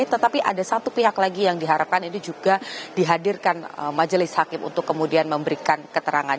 tetapi ada satu pihak lagi yang diharapkan ini juga dihadirkan majelis hakim untuk kemudian memberikan keterangan